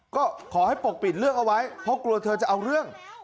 ก็ขอให้ปกปิดเรื่องเอาไว้เพราะกลัวเธอจะเอาเรื่อง